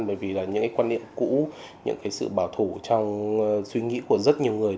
bởi vì là những cái quan niệm cũ những cái sự bảo thủ trong suy nghĩ của rất nhiều người